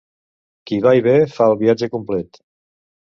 Qui va i ve, fa el viatge complet.